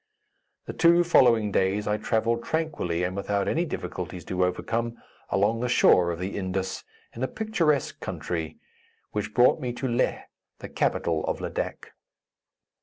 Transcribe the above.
The two following days I travelled tranquilly and without any difficulties to overcome, along the shore of the Indus, in a picturesque country which brought me to Leh, the capital of Ladak.